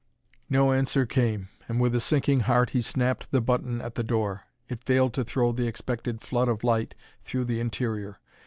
No answer came, and with a sinking heart he snapped the button at the door. It failed to throw the expected flood of light through the interior.